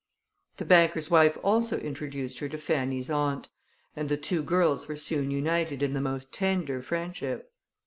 The banker's wife also introduced her to Fanny's aunt, and the two girls were soon united in the most tender friendship.